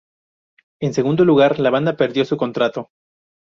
En segundo lugar, la banda perdió su contrato.